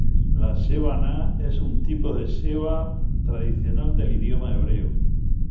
La Sheva Na es un tipo de sheva tradicional del idioma hebreo.